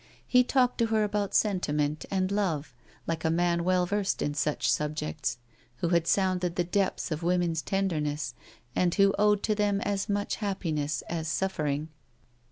He talked to her about sentiment and love, like a man well versed in such subjects, who had sounded the depths of women's tenderness, and who owed to them as much happiness as suffering.